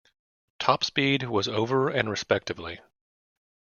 Top speed was over and respectively.